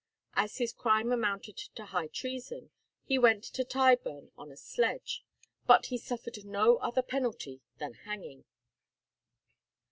As his crime amounted to high treason, he went to Tyburn on a sledge, but he suffered no other penalty than hanging.